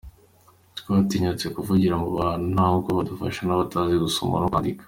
Twatinyutse kuvugira mu bantu nta bwoba, dufasha n’abatazi gusoma no kwandika”.